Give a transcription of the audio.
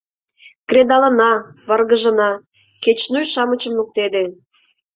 Кредалына, варгыжына - кеч шнуй-шаычым луктеде...